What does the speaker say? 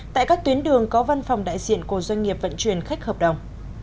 tại các tuyến đường có văn phòng đại diện của doanh nghiệp vận chuyển khách hợp đồng